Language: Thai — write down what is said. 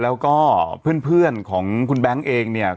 แล้วก็เพื่อนของคุณแบงค์เองเนี่ย